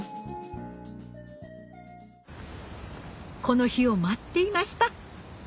この日を待っていました！